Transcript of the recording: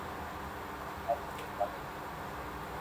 یہ انجام اگر سامنے ہے۔